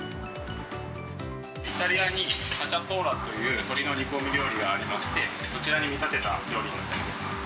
イタリアにカチャトーラという鶏の煮込み料理がありまして、そちらに見立てた料理になっています。